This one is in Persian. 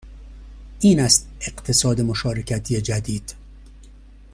این است اقتصاد مشارکتی جدید